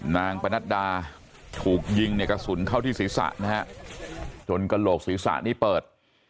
ปนัดดาถูกยิงเนี่ยกระสุนเข้าที่ศีรษะนะฮะจนกระโหลกศีรษะนี่เปิด